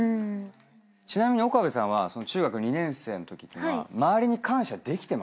ちなみに岡部さんは中学２年生のときには周りに感謝できてました？